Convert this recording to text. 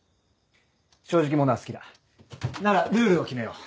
正直者は好きだ。ならルールを決めよう。